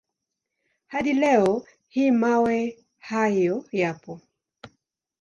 Hadi leo hii mawe hayo yapo.